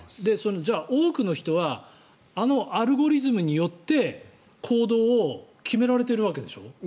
多くの人はあのアルゴリズムによって行動を決められているわけでしょ。